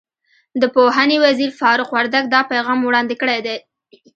د پوهنې وزیر فاروق وردګ دا پیغام وړاندې کړی دی.